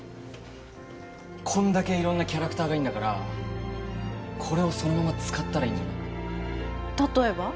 こんだけ色んなキャラクターがいるんだからこれをそのまま使ったらいいんじゃないか例えば？